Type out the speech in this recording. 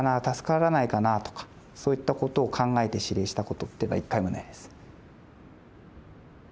助からないかなとかそういったことを考えて司令したことってのは１回もないです。